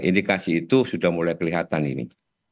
indikasi itu sudah mulai kelihatan ini